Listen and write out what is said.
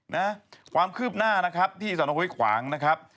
นะความคืบหน้านะครับที่สนห้วยขวางนะครับ